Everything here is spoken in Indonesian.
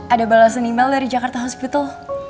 ada balasan imel dari jakarta hospital